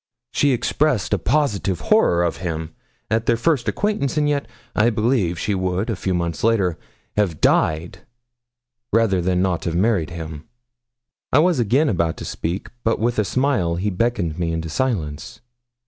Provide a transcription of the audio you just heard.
She expressed a positive horror of him at their first acquaintance; and yet, I believe, she would, a few months later, have died rather than not have married him.' I was again about to speak, but with a smile he beckoned me into silence.